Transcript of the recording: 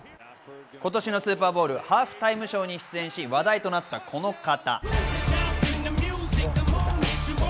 今年のスーパーボウルのハーフタイムショーに出演し、話題となったこの方。